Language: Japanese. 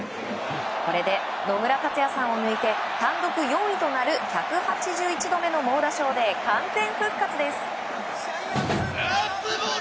これで野村克也さんを抜いて単独４位となる１８１度目の猛打賞で完全復活です。